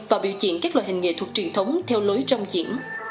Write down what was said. và biểu diễn các loại hình nghệ thuật truyền thống theo lối trong diễn